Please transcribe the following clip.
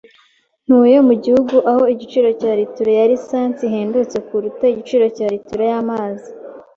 Ntuye mu gihugu aho igiciro cya litiro ya lisansi ihendutse kuruta igiciro cya litiro y'amazi.